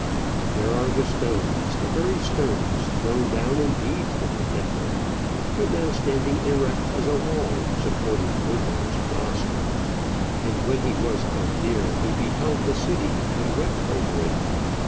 '" There are the stones, the very stones, thrown down indeed from the temple, but now standing erect as a wall, supporting Omar's mosque. "And when he was come near, he beheld the city, and wept over it."